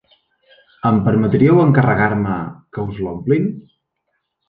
Em permetríeu encarregar-me que us l'omplin?